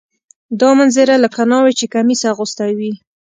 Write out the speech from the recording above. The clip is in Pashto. دا منظره لکه ناوې چې کمیس اغوستی وي.